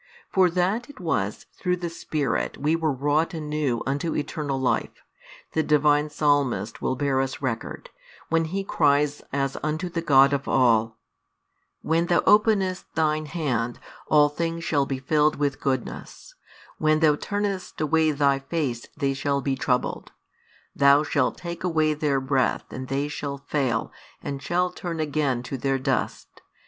For that it was through the Spirit we were wrought anew unto eternal life, the Divine Psalmist will bear us record, when he cries as unto the God of all: When Thou openest Thine Hand, all things shall be filled with goodness; when |322 Thou turnest away Thy Face they shall be troubled; Thou shalt take away their breath and they shall fail and shall turn again to their dust.